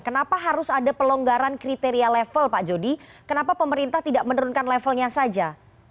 kenapa harus ada pelonggaran kriteria level pak jody kenapa pemerintah tidak menurunkan levelnya saja